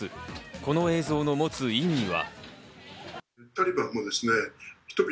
この映像の持つ意味は？